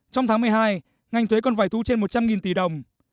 trong tháng một mươi hai ngành thuế còn phải thu trên một trăm linh tỷ đồng